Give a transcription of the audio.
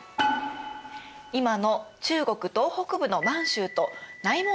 今の中国東北部の満州と内蒙古です。